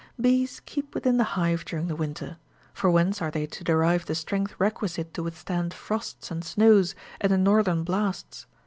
Bees keep within the hive during the winter— for whence are they to derive the strength requisite to withstand frosts and snows, and the northern blasts